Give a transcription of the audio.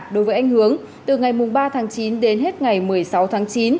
đối với anh hướng từ ngày ba tháng chín đến hết ngày một mươi sáu tháng chín